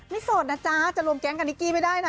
โสดนะจ๊ะจะรวมแก๊งกับนิกกี้ไม่ได้นะ